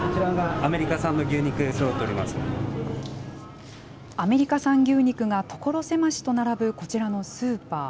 アメリカ産牛肉が所狭しと並ぶこちらのスーパー。